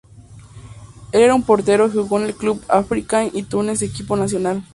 Él era un Portero y jugó en el Club Africain y Túnez equipo nacional.